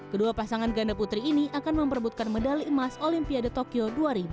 kedua pasangan ganda putri ini akan memperbutkan medali emas olimpiade tokyo dua ribu dua puluh